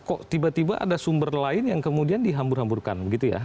kok tiba tiba ada sumber lain yang kemudian dihambur hamburkan begitu ya